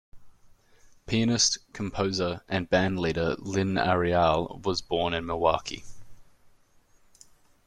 Pianist, composer, and bandleader Lynne Arriale was born in Milwaukee.